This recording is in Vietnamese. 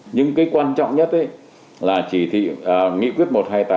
nhưng cái quan trọng nhất là chỉ thị nghị quyết một trăm hai mươi tám